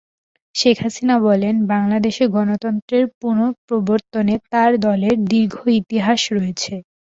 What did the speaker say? শেখ হাসিনা বলেন, বাংলাদেশে গণতন্ত্রের পুনঃপ্রবর্তনে তাঁর দলের দীর্ঘ ইতিহাস রয়েছে।